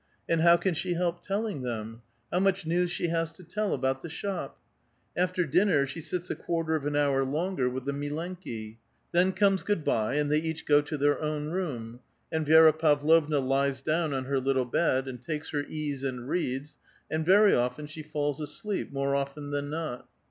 And how can she help telling them? How much news she has to tell about the shop ! After dinner she sits a quarter of an hour longer with the milenki. Then comes do Hvvddnya (good by), and they each go to their own room ; and Vic'Ma Pavlovna lies down on her little bed, and takes her ease and reads, and very often she falls asleep, more often than not.